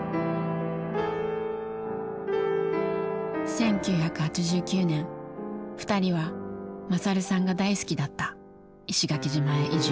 １９８９年２人は勝さんが大好きだった石垣島へ移住。